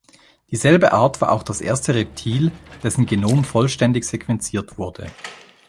Dieselbe Art war auch das erste Reptil, dessen Genom vollständig sequenziert wurde.